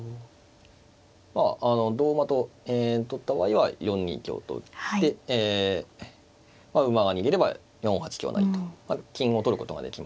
まあ同馬と取った場合は４二香と打って馬が逃げれば４八香成と金を取ることができますので。